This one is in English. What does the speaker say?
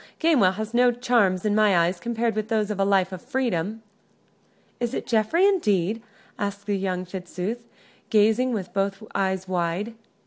Gamewell has no charms in my eyes compared with those of a life of freedom." "Is it Geoffrey, indeed?" asked young Fitzooth, gazing with both eyes wide.